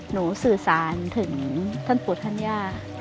สื่อสารถึงท่านปู่ท่านย่า